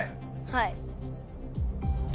はい。